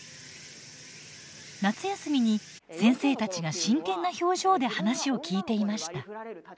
夏休みに先生たちが真剣な表情で話を聞いていました。